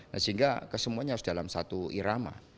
nah sehingga kesemuanya harus dalam satu irama